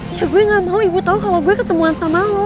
ya gue ga mau ibu tau kalo gue ketemuan sama lo